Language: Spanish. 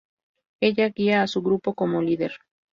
Ella guía a su grupo como líder.